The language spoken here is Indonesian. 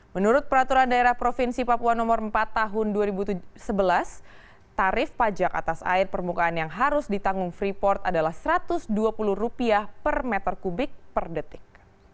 menurut peraturan daerah provinsi papua no empat tahun dua ribu sebelas tarif pajak atas air permukaan yang harus ditanggung freeport adalah rp satu ratus dua puluh per meter kubik per detik